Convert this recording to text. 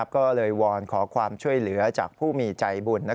ก็เลยวอนขอความช่วยเหลือจากผู้มีใจบุญ